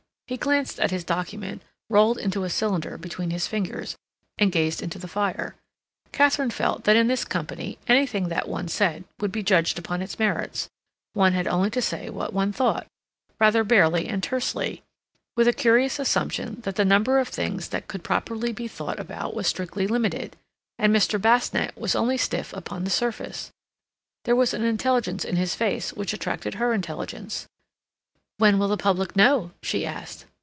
He glanced at his document, rolled it into a cylinder between his fingers, and gazed into the fire. Katharine felt that in this company anything that one said would be judged upon its merits; one had only to say what one thought, rather barely and tersely, with a curious assumption that the number of things that could properly be thought about was strictly limited. And Mr. Basnett was only stiff upon the surface; there was an intelligence in his face which attracted her intelligence. "When will the public know?" she asked.